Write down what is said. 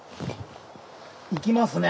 いきますね。